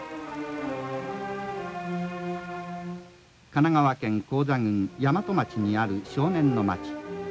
「神奈川県高座郡大和町にある少年の町。